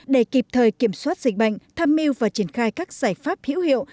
để kịp thời kiểm soát dịch bệnh tham mưu và triển khai các giải pháp hữu hiệu